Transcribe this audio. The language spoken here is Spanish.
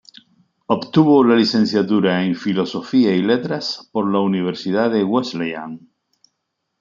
Obtuvo la Licenciatura en Filosofía y Letras por la Universidad de Wesleyan.